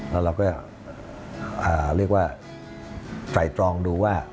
แล้วเราก็เรียกว่าไตรตรองดูว่า